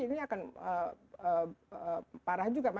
ini akan parah juga